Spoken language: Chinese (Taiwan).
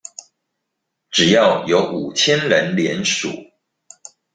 只要有五千人連署